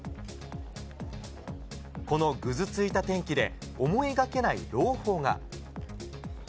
このぐずついた天気で、思いがけない朗報が。